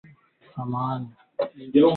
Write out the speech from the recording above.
Kutoa povu